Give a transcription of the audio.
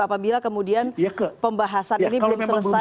apabila kemudian pembahasan ini belum selesai